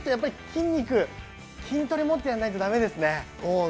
筋トレもっとやらないとだめですね。